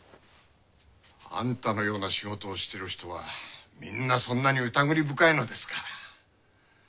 アンタのような仕事をしている人はみんなそんなに疑り深いのですか？